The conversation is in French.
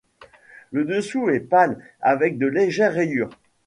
Le dessous est pâle avec de légères rayures.